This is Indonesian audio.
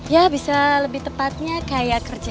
ya bisa lebih tepatnya kayak kerja